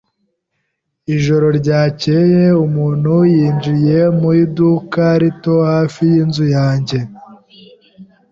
Ijoro ryakeye umuntu yinjiye mu iduka rito hafi yinzu yanjye.